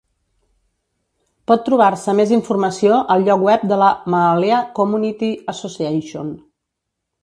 Pot trobar-se més informació al lloc web de la Maalaea Community Association.